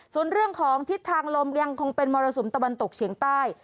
ส่วนเรื่องของทิศทางลมยังคงเป็นมรสุมตะวันตกเฉียงใต้